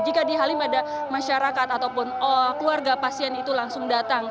jadi pada masyarakat ataupun keluarga pasien itu langsung datang